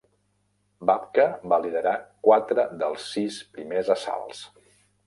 Babka va liderar quatre dels sis primers assalts.